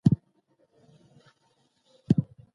د وزیر اکبر خان ځواني د سرښندنې ډکه وه.